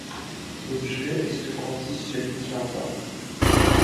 L’objet est ce qu’en dit celui qui en parle.